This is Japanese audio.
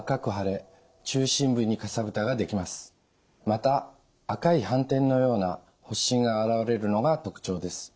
また赤い斑点のような発疹が現れるのが特徴です。